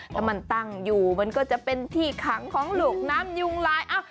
ถ้ามันตั้งอยู่มันก็จะเป็นที่ขังของลูกน้ำยุงลาย